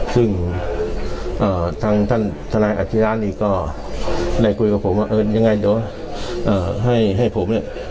ซึ่งทางท่านทนายอาชิระนี่ก็ได้คุยกับผมว่าเออยังไงเดี๋ยวให้ผมเนี่ย